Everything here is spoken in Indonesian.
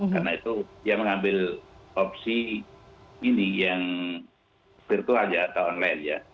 karena itu dia mengambil opsi ini yang virtual atau online ya